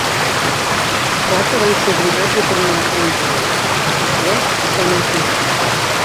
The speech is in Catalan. Quatre van ser obligats a tornar a Indonèsia, i tres es van enfonsar.